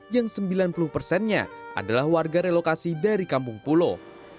yang sembilan puluh persennya adalah warga relokasi dari kampung pulau